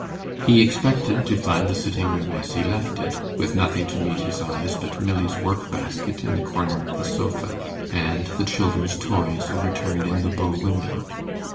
He expected to find the sitting room as he left it, with nothing to meet his eyes but Milly's work basket in the corner of the sofa, and the children's toys overturned in the bow window.